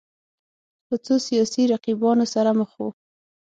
له څو سیاسي رقیبانو سره مخ وو